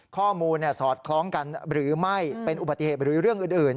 ข้อมูลสอดคล้องกันหรือไม่เป็นอุบัติเหตุหรือเรื่องอื่น